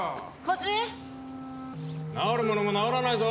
治るものも治らないぞ！